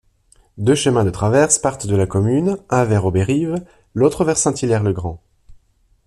Deux chemins de traverse partent de la commune, un vers Aubérive, l'autre vers Saint-Hilaire-le-Grand.